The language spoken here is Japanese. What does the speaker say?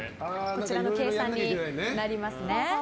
こちらの計算になります。